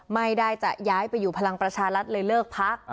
ไม่ได้จะย้ายไปอยู่พลังประชารัฐเลยเลิกพัก